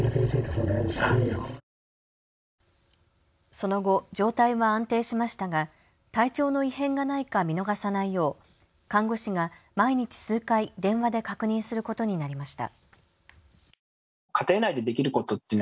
その後、状態は安定しましたが体調の異変がないか見逃さないよう看護師が毎日数回、電話で確認することになりました。